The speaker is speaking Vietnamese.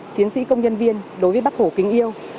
chiến sĩ công nhân viên đối với bác hồ kính yêu